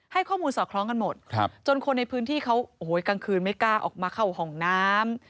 ให้ข้อมูลสอดคล้องกันหมดจนคนในพื้นที่เขาโอ้โหกลางคืนไม่กล้าออกมาเข้าห้องน้ำ